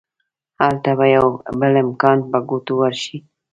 هلته به يو بل امکان په ګوتو ورشي.